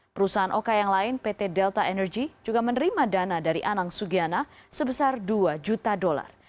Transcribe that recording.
perusahaan oka yang lain pt delta energy juga menerima dana dari anang sugiana sebesar dua juta dolar